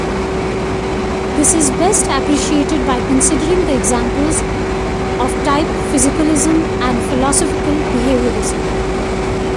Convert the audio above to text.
This is best appreciated by considering the examples of type physicalism and philosophical behaviorism.